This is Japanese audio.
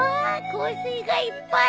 香水がいっぱい。